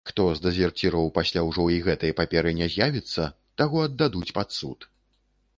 Хто з дэзерціраў пасля ўжо і гэтай паперы не з'явіцца, таго аддадуць пад суд.